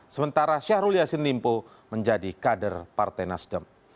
sementara syahrul yassin limpo menjadi kader partai nasdem